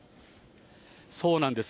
そうなんです。